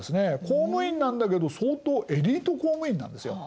公務員なんだけど相当エリート公務員なんですよ。